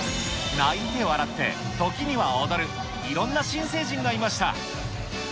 泣いて笑って、時には踊る、いろんな新成人がいました。